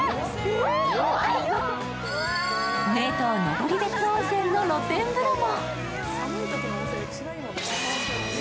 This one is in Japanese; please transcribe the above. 名湯・登別温泉の露天風呂も。